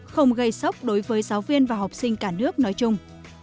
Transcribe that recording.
không gây sốc đối với giáo viên và học sinh cả nước nói chung